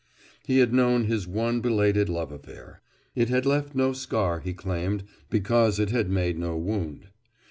He had known his one belated love affair. It had left no scar, he claimed, because it had made no wound.